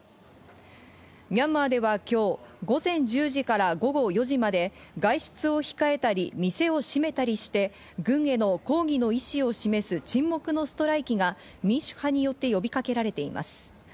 ミャンマーでは今日午前１０時から午後４時まで、外出を控えたり、店を閉めたりして軍への抗議の意思を示す沈黙のストライキが民主派によって呼びかけられています。